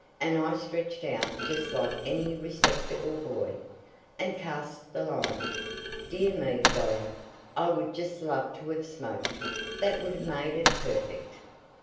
And I stretched out just like any respectable boy, and cast the line! Dear me, Doro! I would just loved to have smoked! That would have made it perfect!"